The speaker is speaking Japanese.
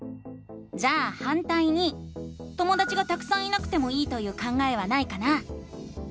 じゃあ「反対に」ともだちがたくさんいなくてもいいという考えはないかな？